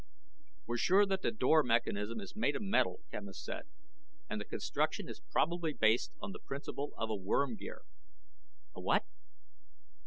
"We're sure that the door mechanism is made of metal," Quemos said, "and the construction is probably based on the principal of a worm gear." "A what?"